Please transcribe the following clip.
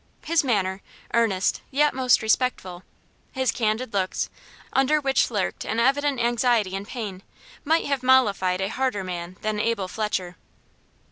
His manner earnest, yet most respectful his candid looks, under which lurked an evident anxiety and pain, might have mollified a harder man than Abel Fletcher.